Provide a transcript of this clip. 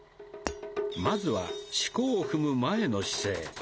まずは四股を踏む前の姿勢